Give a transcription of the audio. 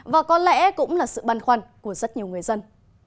và có lẽ cũng là sự băn khoăn của rất nhiều người dân